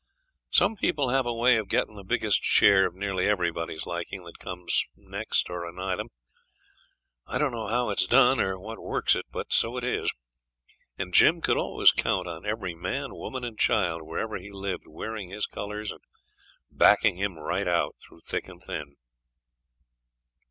Some people have a way of gettin' the biggest share of nearly everybody's liking that comes next or anigh 'em. I don't know how it's done, or what works it. But so it is; and Jim could always count on every man, woman, and child, wherever he lived, wearing his colours and backing him right out, through thick and thin.